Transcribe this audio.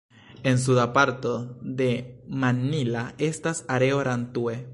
En suda parto de Mannila estas areo Rantue.